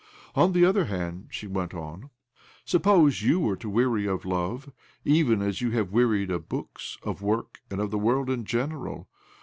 " On the other hand," she went on, " sup pose you were to weary of love, even as you have wearied of books, of work, and of the world in general?